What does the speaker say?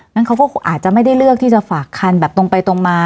งั้นเขาก็อาจจะไม่ได้เลือกที่จะฝากคันแบบตรงไปตรงมา